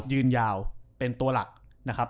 ยืนยาวเป็นตัวหลักนะครับ